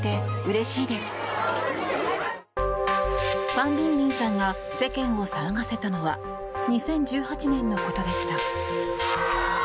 ファン・ビンビンさんが世間を騒がせたのは２０１８年のことでした。